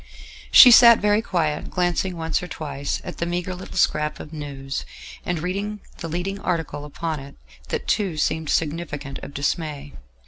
She sat very quiet, glancing once or twice at the meagre little scrap of news, and read the leading article upon it: that too seemed significant of dismay.